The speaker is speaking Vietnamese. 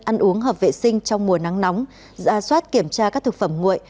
ăn uống hợp vệ sinh trong mùa nắng nóng ra soát kiểm tra các thực phẩm nguội